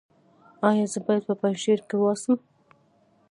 ایا زه باید په پنجشیر کې اوسم؟